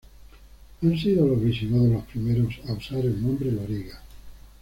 Han sido los visigodos los primeros a usar el nombre Loriga.